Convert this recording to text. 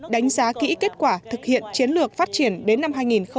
đánh giá kỹ kết quả thực hiện chiến lược phát triển đến năm hai nghìn ba mươi